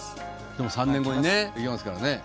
でも３年後にねできますからね。